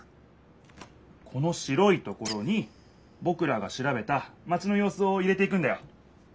この白いところにぼくらがしらべたマチのようすを入れていくんだよ。